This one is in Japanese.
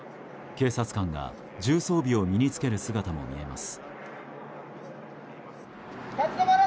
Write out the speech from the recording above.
警察官が重装備を身に着ける姿も見えます。